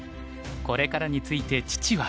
これからについて父は。